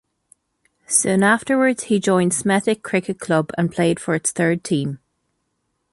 Soon afterwards, he joined Smethwick Cricket Club and played for its third team.